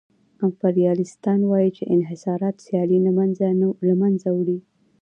امپریالیستان وايي چې انحصارات سیالي له منځه وړي